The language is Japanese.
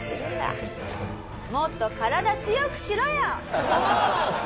もっと体強くしろよ。